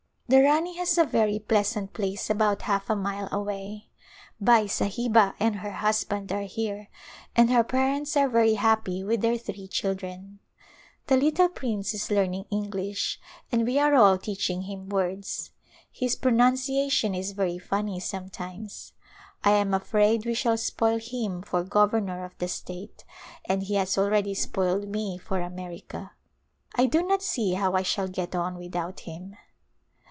The Rani has a very pleasant place about half a mile away. Bai Sahiba and her husband are here and her parents are very happy with their three children. The little prince is learning English and we are all [ 320] A Royal Wedding teaching him words. His pronunciation is very funny sometimes. I am afraid we shall spoil him for gov ernor of the state, and he has already spoiled me for America. I do not see how I shall get on without him.